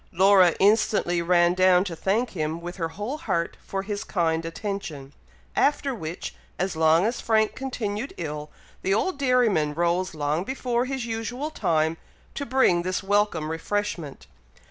Laura instantly ran down to thank him with her whole heart for his kind attention, after which, as long as Frank continued ill, the old dairyman rose long before his usual time, to bring this welcome refreshment.